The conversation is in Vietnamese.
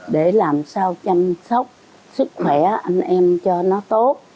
để làm sao chăm sóc sức khỏe anh em cho nó tốt